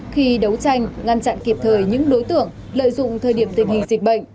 khi đấu tranh ngăn chặn kịp thời những đối tượng lợi dụng thời điểm tình hình dịch bệnh